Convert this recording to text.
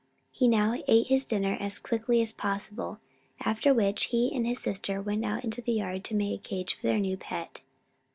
He now ate his dinner as quickly as possible, after which he and his sister went out into the yard to make a cage for their new pet.